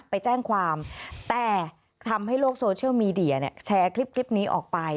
ไปแจ้งความแต่ทำให้โลกโซเชียลมีเดียเนี่ยแชร์คลิปนี้ออกไป